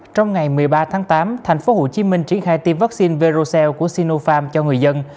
trong ngày một mươi ba tháng tám tp hcm triển khai tiêm vaccine verocel của sinopharm cho người dân